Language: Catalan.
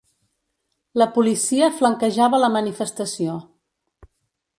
La policia flanquejava la manifestació.